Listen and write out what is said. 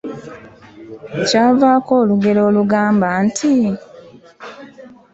Kyavaako olugero olugamba nti?